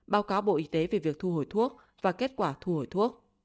báo cáo bộ y tế về việc thu hồi thuốc và kết quả thu hồi thuốc